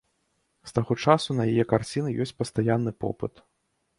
З таго часу на яе карціны ёсць пастаянны попыт.